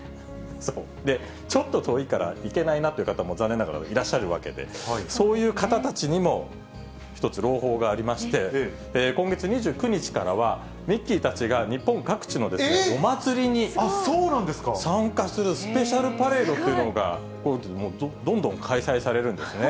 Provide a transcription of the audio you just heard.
ちょっと遠いから行けないなという方も残念ながらいらっしゃるわけで、そういう方たちにも、１つ、朗報がありまして、今月２９日からは、ミッキーたちが日本各地のお祭りに参加するスペシャルパレードというものが、どんどん開催されるんですね。